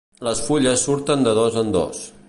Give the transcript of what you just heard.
Les fulles surten de dos en dos.